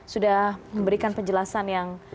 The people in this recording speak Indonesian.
sudah memberikan penjelasan yang